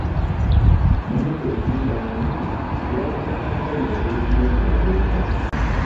Munne kwe kumuddamu nti by’abadde amwagaliza tabifunye ku kaduuka.